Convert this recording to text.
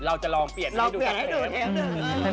เราจะลองเปลี่ยนให้ดูกันให้ดู